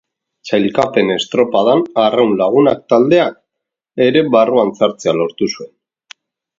Sailkapen estropadan Arraun Lagunak taldeak ere barruan sartzea lortu zuen.